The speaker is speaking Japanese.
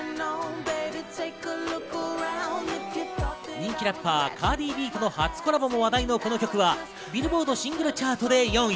人気ラッパー、カーディ・Ｂとの初コラボも話題のこの曲はビルボードシングルチャートで４位。